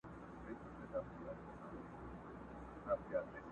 لاس یې پورته د غریب طوطي پر سر کړ!